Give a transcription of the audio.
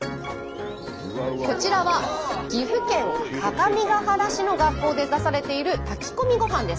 こちらは岐阜県各務原市の学校で出されている炊き込みごはんです。